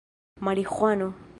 mariĥuano